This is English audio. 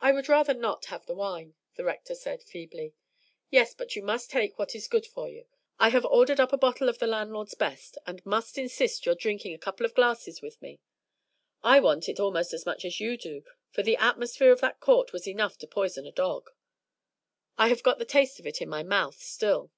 "I would rather not have the wine," the Rector said feebly. "Yes, but you must take what is good for you. I have ordered up a bottle of the landlord's best, and must insist upon your drinking a couple of glasses with me. I want it almost as much as you do, for the atmosphere of that court was enough to poison a dog. I have got the taste of it in my mouth still."